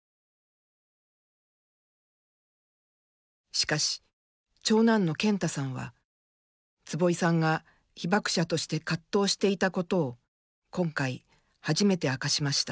しかし、長男の健太さんは坪井さんが被爆者として葛藤していたことを今回、初めて明かしました。